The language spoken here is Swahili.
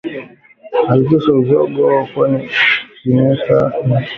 Hakikisha mzoga wenye kimeta na vifaa vilivyoambukizwa vimezikwa vizuri kwenye shimo refu futi sita